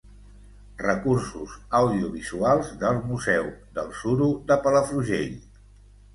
Recursos audiovisuals del Museu del Suro de Palafrugell.